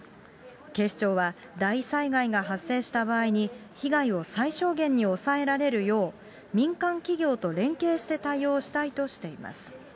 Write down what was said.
警視庁は大災害が発生した場合に、被害を最小限に抑えられるよう、民間企業と連携して対応したいとしています。